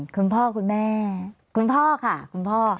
คุณพ่อคุณแม่คุณพ่อค่ะคุณพ่อ